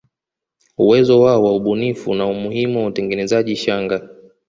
Uwezo wao wa ubunifu na umuhimu wa utengenezaji shanga